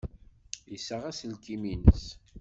Yessaɣ aselkim-nnes.